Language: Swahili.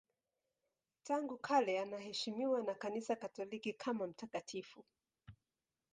Tangu kale anaheshimiwa na Kanisa Katoliki kama mtakatifu.